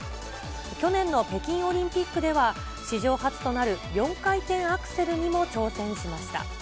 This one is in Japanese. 去年の北京オリンピックでは、史上初となる４回転アクセルにも挑戦しました。